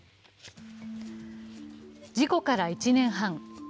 事故から１年半。